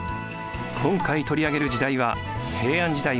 今回取り上げる時代は平安時代